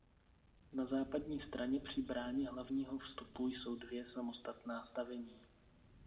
Na západní straně při bráně hlavního vstupu jsou dvě samostatná stavení.